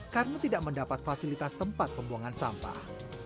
karena tidak mendapat fasilitas tempat pembuangan sampah